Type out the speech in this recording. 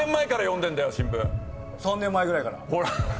３年前ぐらいから。